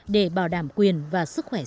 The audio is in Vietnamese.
để bảo đảm quyền và sức khỏe sinh sản